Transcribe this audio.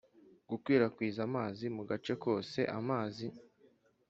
Gukwirakwiza amazi mu gace kose amazi